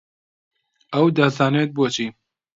ئەو دەزانێت بۆچی.